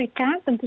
tentu saja bersama